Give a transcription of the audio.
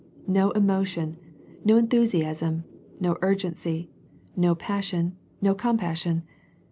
No emotion, no enthusiasm, no urgency, no passion, no com passion.